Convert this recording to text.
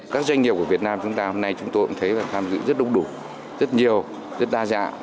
các doanh nghiệp của việt nam chúng ta hôm nay chúng tôi cũng thấy và tham dự rất đông đủ rất nhiều rất đa dạng